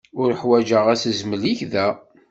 Uḥwaǧeɣ asezmel-ik da.